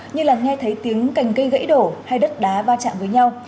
như là nghe thấy tiếng cành cây gãy đổ hay đất đá va chạm với nhau